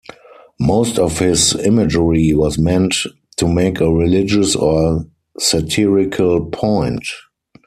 Most of his imagery was meant to make a religious or satirical point.